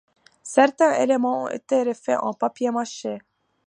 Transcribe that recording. Certains éléments ont été refaits en papier mâché.